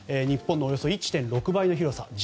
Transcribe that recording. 日本のおよそ１．６倍の広さ。